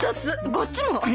こっちも！